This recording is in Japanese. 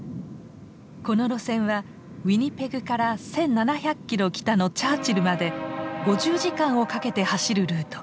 この路線はウィニペグから１，７００キロ北のチャーチルまで５０時間をかけて走るルート。